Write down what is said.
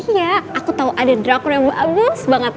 iya aku tau ada drakul yang bagus banget